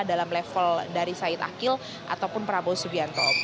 dalam level dari said akil ataupun prabowo subianto